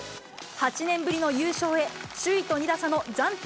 ８年ぶりの優勝へ、首位と２打差の暫定